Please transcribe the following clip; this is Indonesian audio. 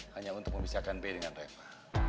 hanya untuk memisahkan b dengan reva